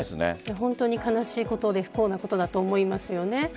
本当に悲しいことで不幸なことだと思いますよね。